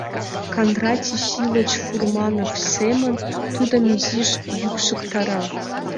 Кондратий Силыч Фурманов семын тудым изиш йӱкшыктара.